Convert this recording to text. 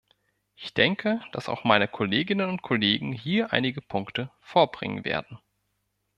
Ich denke, dass auch meine Kolleginnen und Kollegen hier einige Punkte vorbringen werden.